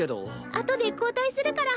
あとで交代するから。